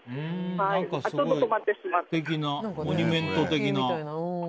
何か素敵なモニュメント的な。